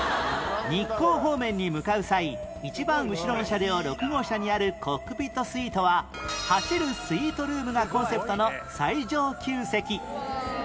日光方面に向かう際一番後ろの車両６号車にあるコックピットスイートは「走るスイートルーム」がコンセプトの最上級席